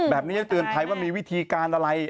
แบบนี้จะเตือนภัยว่ามีวิธีการอะไร